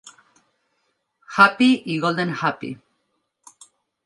"Hapi" i "Golden Hapi".